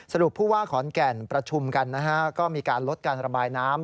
ผู้ว่าขอนแก่นประชุมกันนะฮะก็มีการลดการระบายน้ำ